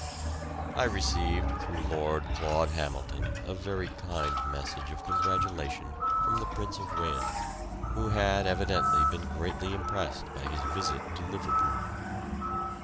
I received through Lord Claud Hamilton a very kind message of congratulation from the Prince of Wales, who had evidently been greatly impressed by his visit to Liverpool.